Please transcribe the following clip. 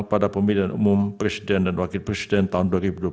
pada pemilihan umum presiden dan wakil presiden tahun dua ribu dua puluh